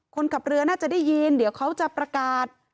คนขับเรือน่าจะได้ยินเดี๋ยวเขาจะประกาศ